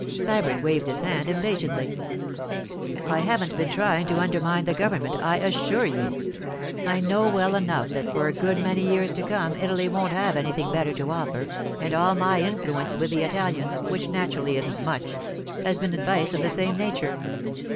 Sybert waved his hand impatiently. 'I haven't been trying to undermine the government, I assure you. I know well enough that for a good many years to come Italy won't have anything better to offer, and all my influence with the Italians—which naturally isn't much—has been advice of the same nature.